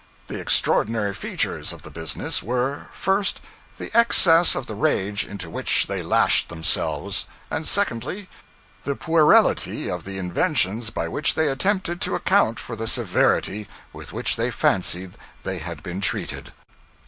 The extraordinary features of the business were, first, the excess of the rage into which they lashed themselves; and, secondly, the puerility of the inventions by which they attempted to account for the severity with which they fancied they had been treated.